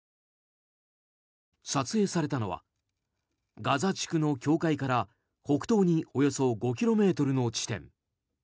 撮影されたのはガザ地区の境界から北東におよそ５ｋｍの地点。